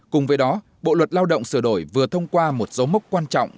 cùng với đó bộ luật lao động sửa đổi vừa thông qua một dấu mốc quan trọng